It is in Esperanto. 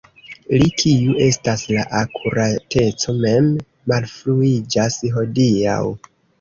Li, kiu estas la akurateco mem, malfruiĝas hodiaŭ.